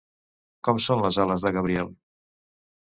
Com són les ales de Gabriel?